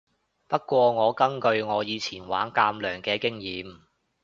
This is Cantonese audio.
不過我根據我以前玩艦娘嘅經驗